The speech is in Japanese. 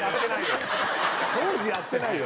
当時やってないよ。